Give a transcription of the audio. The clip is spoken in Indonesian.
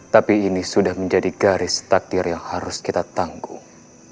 tapi ini sudah menjadi garis takdir yang harus kita tanggung